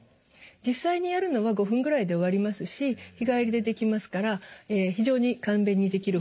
実際にやるのは５分ぐらいで終わりますし日帰りでできますから非常に簡便にできる方法なんです。